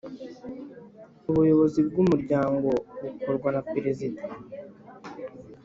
Ubuyobozi bw Umuryango bukorwa na Perezida